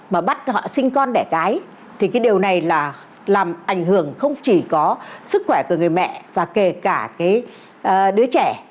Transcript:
một mươi bốn một mươi năm mà bắt họ sinh con đẻ cái thì cái điều này là làm ảnh hưởng không chỉ có sức khỏe của người mẹ và kể cả cái đứa trẻ